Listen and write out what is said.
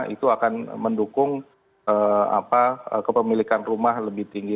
itu akan mendukung kepemilikan rumah lebih tinggi